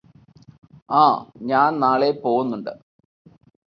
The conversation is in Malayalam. ആ ഞാന് നാളെ പോവുന്നുണ്ട്